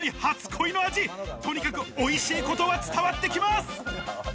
雲よりやわらかい初恋の味、とにかくおいしいことは伝わってきます。